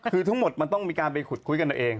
คือทั้งหมดมันต้องมีการไปขุดคุยกันเอาเอง